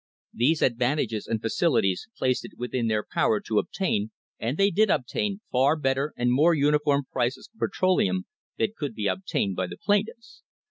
These advantages and facilities placed it within their power to obtain, and they did obtain, far better and more uniform prices for petroleum than could be obtained by the plaintiffs.